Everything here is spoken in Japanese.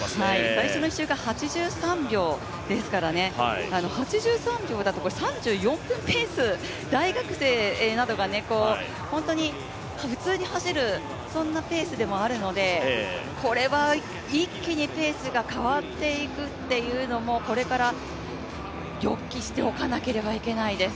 最初の１周が８３秒ですからね８３秒だと３４分ペース、大学生などが本当に普通に走るペースでもあるのでこれは一気にペースが変わっていくっていうのもこれから予期しておかなければいけないです。